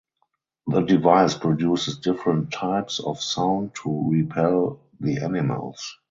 The device produces different types of sound to repel the animals.